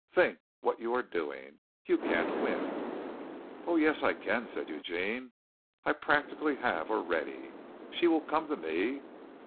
Think what you are doing. You can't win." "Oh, yes, I can," said Eugene, "I practically have already. She will come to me."